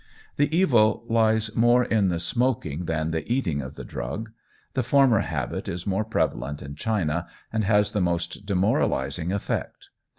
The evil lies more in the smoking than the eating of the drug; the former habit is more prevalent in China, and has the most demoralizing effect.